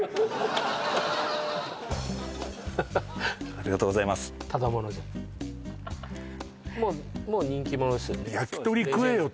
ありがとうございますただ者じゃないもう人気者ですよね